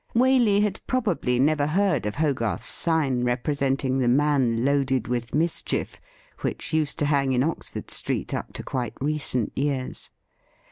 Waley had probably never heard of Hogarth's sign representing 'The Man loaded with Mischief,' which used to hang in Oxford Street up to quite recent years.